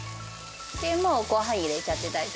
もうごはん入れちゃって大丈